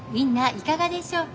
いかがでしょうか。